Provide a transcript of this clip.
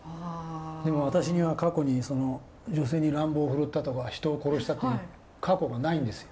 でも私には過去に女性に乱暴を振るったとか人を殺したという過去がないんですよ。